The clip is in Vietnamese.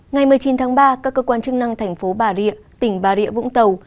ngày một mươi chín tháng ba các cơ quan chức năng thành phố bà rịa tỉnh bà rịa vũng tàu